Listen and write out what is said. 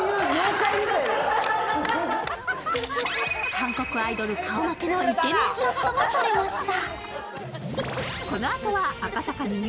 韓国アイドル顔負けのイケメンショットも撮れました。